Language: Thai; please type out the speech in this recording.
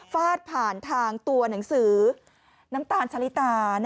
ฟาดผ่านทางตัวหนังสือน้ำตาลชะลิตา